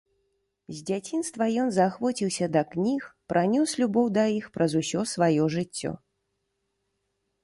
З дзяцінства ён заахвоціўся да кніг, пранёс любоў да іх праз усё сваё жыццё.